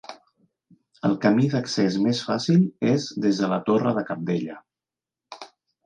El camí d'accés més fàcil és des de la Torre de Cabdella.